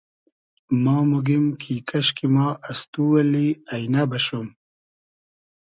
ما موگیم کی کئشکی ما از تو اللی اݷنۂ بئشوم